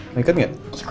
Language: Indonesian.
mau ikut gak